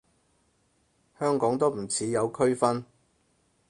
香港都唔似有區分